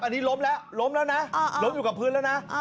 อันนี้ล้มแล้วล้มแล้วนะล้มอยู่กับพื้นแล้วนะ